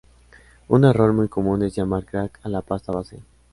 Un error muy común es llamar crack a la pasta base.